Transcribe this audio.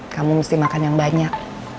kamu mesti makan yang banyak